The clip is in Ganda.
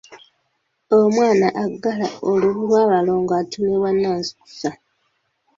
Omwana aggala olubu lw’abalongo atuumibwa Nansukusa.